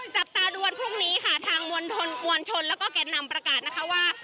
จับตาดูวันพรุ่งนี้ค่ะทางมณฑลกวนชนแล้วก็แก่นำประกาศนะคะว่า